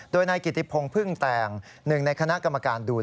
โดยนายกิติพงศ์พึ่งแตงหนึ่งในคณะกรรมการดู